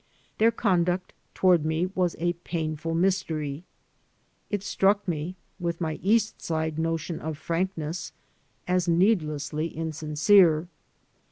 Their conduct toward me was a painful mystery. It struck me, with my East Side notion of frankness, as needlessly insincere.